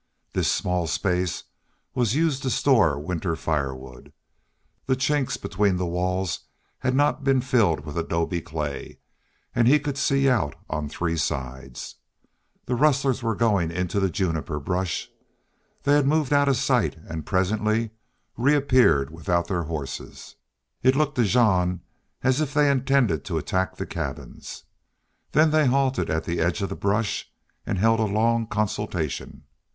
This small space was used to store winter firewood. The chinks between the walls had not been filled with adobe clay, and he could see out on three sides. The rustlers were going into the juniper brush. They moved out of sight, and presently reappeared without their horses. It looked to Jean as if they intended to attack the cabins. Then they halted at the edge of the brush and held a long consultation.